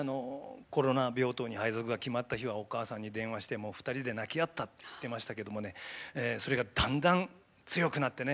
コロナ病棟に配属が決まった日はお母さんに電話して２人で泣きあったって言ってましたけどもねそれがだんだん強くなってね